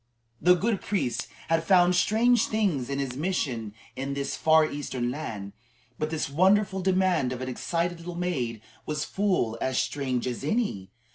The good priest had found strange things in his mission work in this far Eastern land, but this wrathful demand of an excited little maid was full as strange as any.